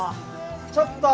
ちょっと。